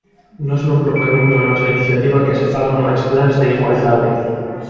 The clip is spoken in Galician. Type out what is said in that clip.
Nós non propoñemos na nosa iniciativa que se fagan máis plans de igualdade.